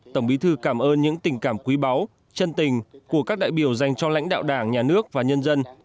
tổng bí thư cảm ơn những tình cảm quý báu chân tình của các đại biểu dành cho lãnh đạo đảng nhà nước và nhân dân